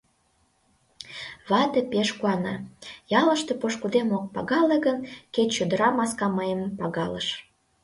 Вате пеш куана: «Ялыште пошкудем ок пагале гын, кеч чодыра маска мыйым пагалыш.